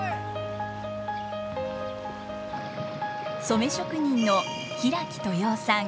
染職人の平木豊男さん。